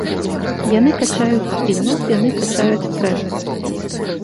Яны качаюць спіну, яны качаюць прэс!